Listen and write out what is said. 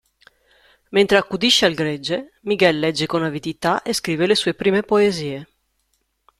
Mentre accudisce al gregge, Miguel legge con avidità e scrive le sue prime poesie.